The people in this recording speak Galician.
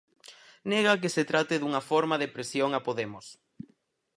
Nega que se trate dunha forma de presión a Podemos.